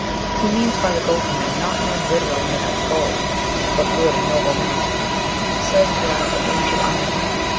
He means by the golden men not men literally made of gold, but good and noble men; he says we are of the 'age of iron.'